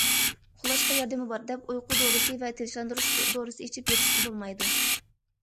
ئۇخلاشقا ياردىمى بار، دەپ ئۇيقۇ دورىسى ۋە تىنچلاندۇرۇش دورىسى ئىچىپ يېتىشقا بولمايدۇ.